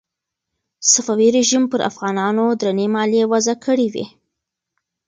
صفوي رژیم پر افغانانو درنې مالیې وضع کړې وې.